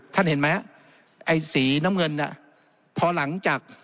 เห็นไหมไอ้สีน้ำเงินน่ะพอหลังจาก